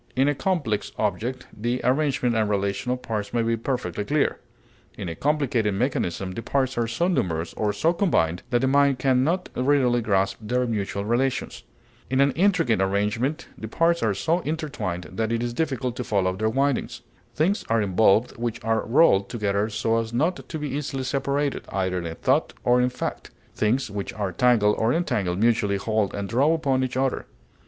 In a complex object the arrangement and relation of parts may be perfectly clear; in a complicated mechanism the parts are so numerous, or so combined, that the mind can not readily grasp their mutual relations; in an intricate arrangement the parts are so intertwined that it is difficult to follow their windings; things are involved which are rolled together so as not to be easily separated, either in thought or in fact; things which are tangled or entangled mutually hold and draw upon each other.